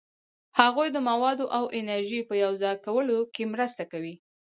هغوی د موادو او انرژي په یوځای کولو کې مرسته کوي.